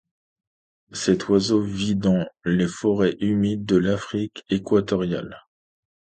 Cet oiseau vit dans les forêts humides de l'Afrique équatoriale.